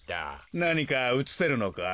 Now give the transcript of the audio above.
なにかうつせるのかい？